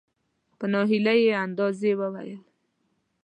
په نا هیلي انداز یې وویل .